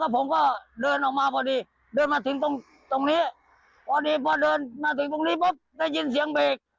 พอดีพอเดินมาถึงตรงนี้ปุ๊บได้ยินเสียงเบรก